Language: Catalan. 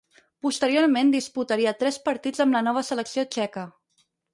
Posteriorment, disputaria tres partits amb la nova selecció txeca.